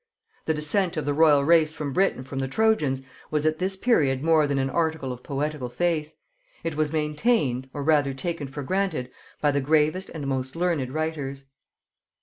The descent of the royal race of Britain from the Trojans was at this period more than an article of poetical faith; it was maintained, or rather taken for granted, by the gravest and most learned writers.